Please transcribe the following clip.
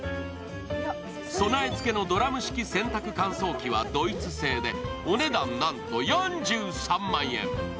備え付けのドラム式洗濯乾燥機はドイツ製でお値段、なんと４３万円。